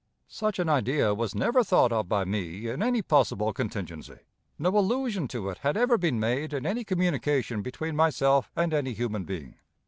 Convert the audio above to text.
Such an idea was never thought of by me in any possible contingency. No allusion to it had ever been made in any communication between myself and any human being.